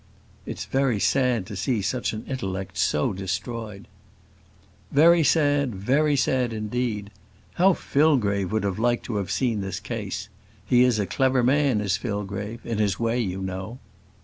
"It's very sad to see such an intellect so destroyed." "Very sad, very sad indeed. How Fillgrave would have liked to have seen this case. He is a clever man, is Fillgrave in his way, you know."